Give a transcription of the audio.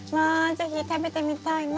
是非食べてみたいな。